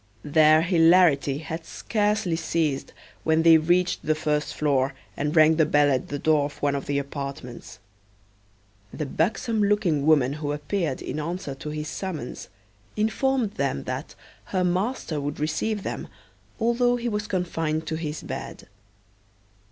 Their hilarity had scarcely ceased when they reached the first floor, and rang the bell at the door of one of the apartments. The buxom looking woman who appeared in answer to his summons, informed them that her master would receive them, although he was confined to his bed.